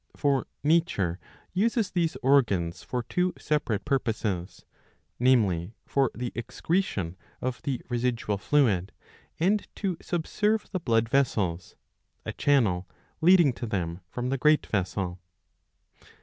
For nature uses these organs for two separate purposes, namely for the excretion of the residual fluid, and to subserve the blood vessels,* a channel leading to them from the great vessel.